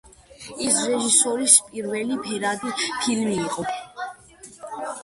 ის რეჟისორის პირველი ფერადი ფილმი იყო.